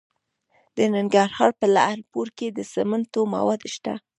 د ننګرهار په لعل پورې کې د سمنټو مواد شته.